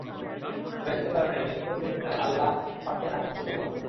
কুরাইশদের কারণে নিয়ত পরিবর্তন করে আল্লাহ পাককে নাখোশ করব না।